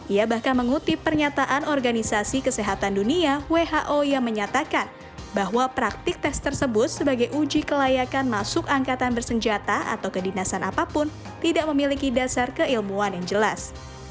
ia bahkan mengutip pernyataan organisasi kesehatan dunia who yang menyatakan bahwa praktik tes tersebut sebagai uji kelayakan masuk angkatan bersenjata atau kedinasan apapun tidak memiliki dasar keilmuan yang jelas